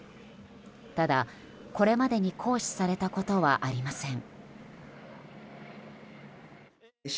ただ、これまでに行使されたことはありません。